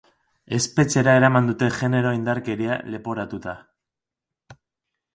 Espetxera eraman dute genero indarkeria leporatuta.